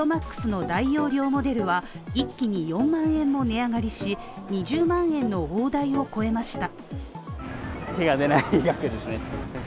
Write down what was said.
ＰｒｏＭａｘの大容量モデルは一気に４万円も値上がりし２０万円の大台を超えました。